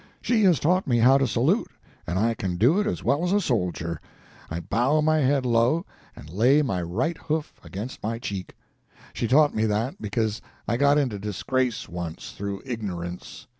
She has taught me how to salute, and I can do it as well as a soldier. I bow my head low, and lay my right hoof against my cheek. She taught me that because I got into disgrace once, through ignorance.